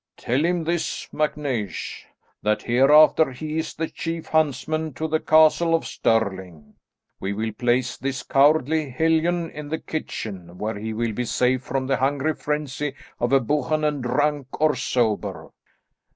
Tell him this, MacNeish, that hereafter he is the chief huntsman to the Castle of Stirling. We will place this cowardly hellion in the kitchen where he will be safe from the hungry frenzy of a Buchanan, drunk or sober."